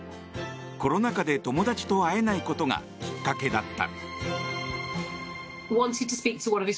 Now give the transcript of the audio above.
コロナ禍で友達と会えないことがきっかけだった。